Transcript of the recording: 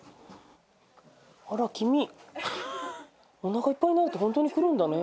あらキミおなかいっぱいになるとホントに来るんだね